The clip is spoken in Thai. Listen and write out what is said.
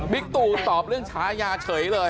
บิกตุตอบเรื่องชายาเฉยเลย